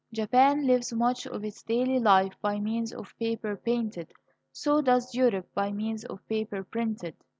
Japan lives much of its daily life by means of paper, painted; so does Europe by means of paper, printed.